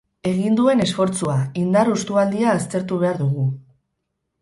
Egin duen esfortzua, indar hustualdia aztertu behar dugu.